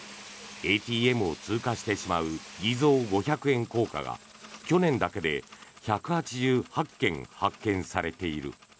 ＡＴＭを通過してしまう偽造五百円硬貨が去年だけで１８８件発見されている。